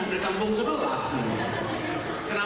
dari kampung sebelah